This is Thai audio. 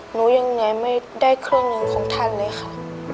หนูยังไงไม่ได้เครื่องเงินของท่านเลยค่ะ